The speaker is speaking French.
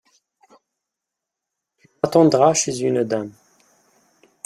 Tu m'attendras chez une dame.